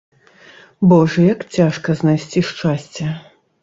Божа, як цяжка знайсці шчасце.